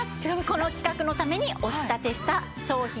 この企画のためにお仕立てした商品となります。